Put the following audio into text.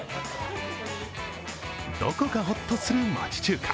どこかホッとする町中華。